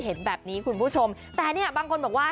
เห็นแบบนี้คุณผู้ชมแต่เนี่ยบางคนบอกว่า